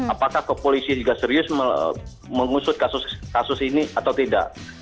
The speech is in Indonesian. apakah kepolisian juga serius mengusut kasus kekerasan